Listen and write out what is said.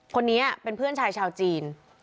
คนนี้เป็นเพื่อนชายชาวจีน